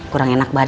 kurang enak banget